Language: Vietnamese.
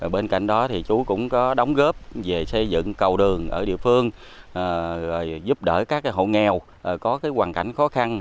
bên cạnh đó thì chú cũng có đóng góp về xây dựng cầu đường ở địa phương giúp đỡ các hộ nghèo có hoàn cảnh khó khăn